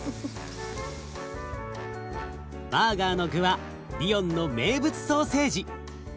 バーガーの具はリヨンの名物ソーセージ。